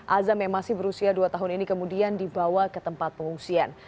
azam yang masih berusia dua tahun ini kemudian dibawa ke tempat pengungsian